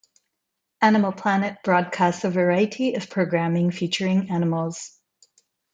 Animal Planet broadcasts a variety of programming featuring animals.